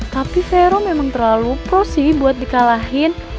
tapi vero memang terlalu pro sih buat dikalahin